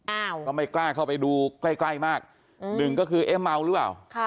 อ้าวก็ไม่กล้าเข้าไปดูใกล้ใกล้มากอืมหนึ่งก็คือเอ๊ะเมาหรือเปล่าค่ะ